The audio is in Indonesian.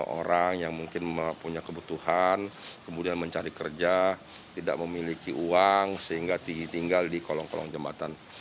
orang yang mungkin punya kebutuhan kemudian mencari kerja tidak memiliki uang sehingga tinggal di kolong kolong jembatan